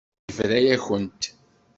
Yebra-yakent.